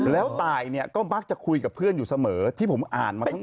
แล้วตายเนี่ยก็มักจะคุยกับเพื่อนอยู่เสมอที่ผมอ่านมาทั้งหมด